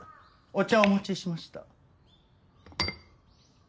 お茶をお持ちしました。